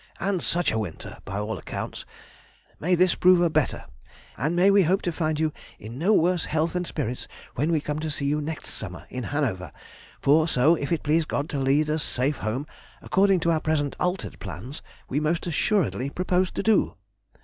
And such a winter! by all accounts. May this prove a better! and may we hope to find you in no worse health and spirits when we come to see you next summer in Hanover. For so, if it please God to lead us safe home, according to our present altered plans, we most assuredly propose to do.